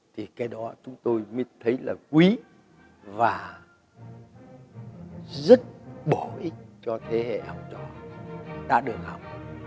thì cái đó chúng tôi mới thấy là quý và rất bổ ích cho thế hệ học trò đã được học